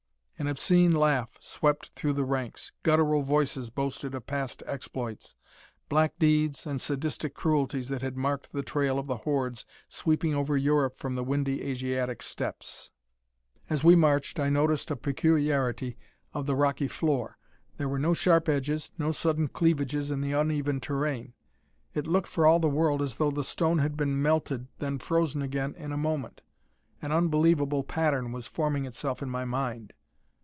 An obscene laugh swept through the ranks. Guttural voices boasted of past exploits black deeds and sadistic cruelties that had marked the trail of the hordes sweeping over Europe from the windy Asiatic steppes. As we marched, I noticed a peculiarity of the rocky floor. There were no sharp edges, no sudden cleavages in the uneven terrain. It looked, for all the world, as though the stone had been melted, then frozen again in a moment. An unbelievable pattern was forming itself in my mind.